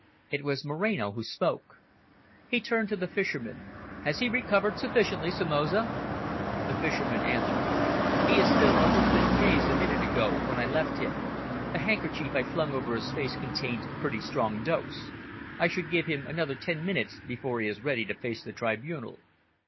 It was Moreno who spoke. He turned to the fisherman. "Has he recovered sufficiently, Somoza?" The fisherman answered: "He was still a little bit dazed a minute ago when I left him. The handkerchief I flung over his face contained a pretty strong dose. I should give him another ten minutes before he is ready to face the tribunal."